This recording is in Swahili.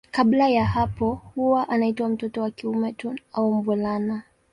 Kabla ya hapo huwa anaitwa mtoto wa kiume tu au mvulana.